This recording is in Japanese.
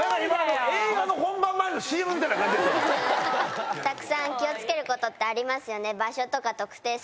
たくさん気を付けることってありますよね。